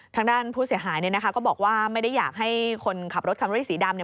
ทางด้านผู้เสียหายเนี่ยนะคะก็บอกว่าไม่ได้อยากให้คนขับรถคัมรี่สีดำเนี่ย